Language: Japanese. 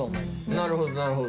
なるほどなるほど。